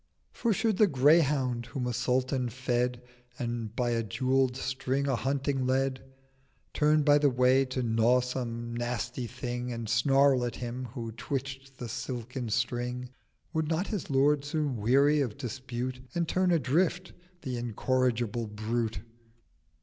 'For should the Greyhound whom a Sultan fed, And by a jewell'd String a hunting led, Turned by the Way to gnaw some nasty Thing And snarl at Him who twitch'd the silken String, Would not his Lord soon weary of Dispute, And turn adrift the incorrigible Brute?